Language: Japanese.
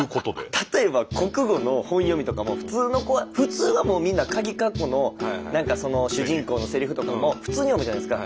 例えば国語の本読みとかも普通の子は普通はもうみんなかぎかっこの何か主人公のせりふとかも普通に読むじゃないですか。